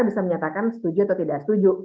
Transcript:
bisa menyatakan setuju atau tidak setuju